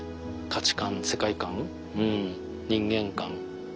価値観世界観人間観。